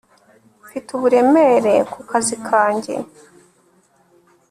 mfite uburemere ku kazi kanjye